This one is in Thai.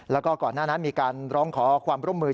แล้วก็ก่อนหน้านั้นมีการร้องขอความร่วมมือ